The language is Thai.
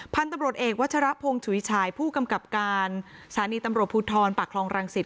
พันธุ์ตำรวจเอกวัชรพงศ์ฉุยฉายผู้กำกับการสถานีตำรวจภูทรปากคลองรังสิต